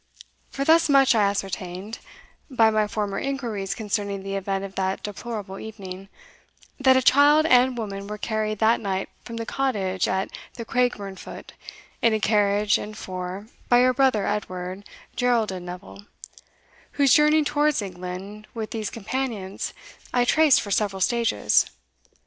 For thus much I ascertained, by my former inquiries concerning the event of that deplorable evening, that a child and woman were carried that night from the cottage at the Craigburnfoot in a carriage and four by your brother Edward Geraldin Neville, whose journey towards England with these companions I traced for several stages.